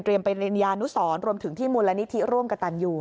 เตรียมเป็นริยานุศรรวมถึงที่มูลนิธิร่วมกับตันอยู่